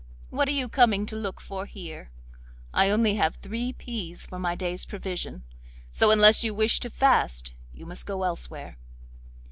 what are you coming to look for here? I only have three peas for my day's provision, so unless you wish to fast you must go elsewhere.